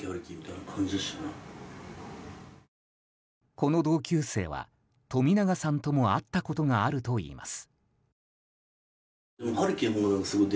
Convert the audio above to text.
この同級生は冨永さんとも会ったことがあるといいます。